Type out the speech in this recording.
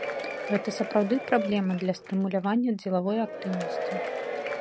Гэта сапраўды праблема для стымулявання дзелавой актыўнасці.